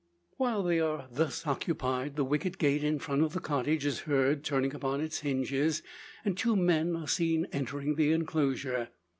While they are thus occupied, the wicket gate, in front of the cottage, is heard turning upon its hinges, and two men are seen entering the enclosure.